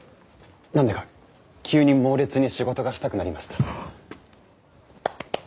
何だか急に猛烈に仕事がしたくなりました。